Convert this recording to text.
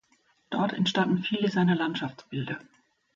Dort entstanden viele seiner Landschaftsbilder.